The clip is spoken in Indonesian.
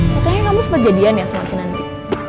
katanya kamu seperti dia nih yang semakin nanti